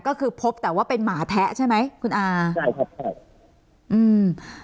ก็คือพบแต่ว่าเป็นหมาแท้ใช่ไหมคุณอาใช่ครับใช่อืม